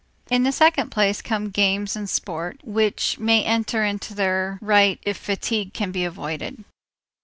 In the second place come games and sport, which may enter into their right if fatigue can be avoided.